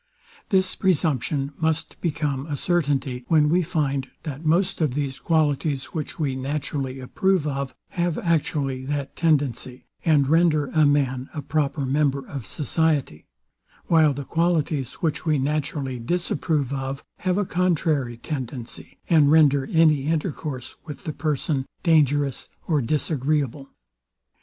This presumption must become a certainty, when we find that most of those qualities, which we naturally approve of, have actually that tendency, and render a man a proper member of society: While the qualities, which we naturally disapprove of, have a contrary tendency, and render any intercourse with the person dangerous or disagreeable.